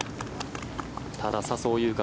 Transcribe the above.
ただ、笹生優花